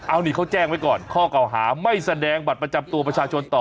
เอานี่เขาแจ้งไว้ก่อนข้อเก่าหาไม่แสดงบัตรประจำตัวประชาชนต่อ